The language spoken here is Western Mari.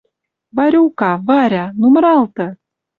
«Варюка, Варя... Ну, мыралты